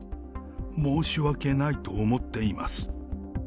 申し訳ないと思っています。